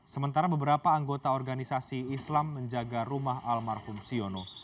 sementara beberapa anggota organisasi islam menjaga rumah almarhum siono